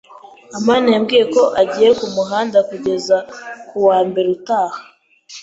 amani yambwiye ko agiye mu muhanda kugeza ku wa mbere utaha.